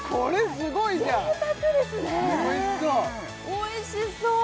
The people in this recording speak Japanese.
おいしそう！